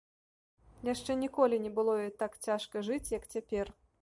Яшчэ ніколі не было ёй так цяжка жыць, як цяпер.